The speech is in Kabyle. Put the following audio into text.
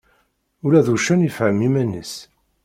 Ula d uccen ifhem iman-is.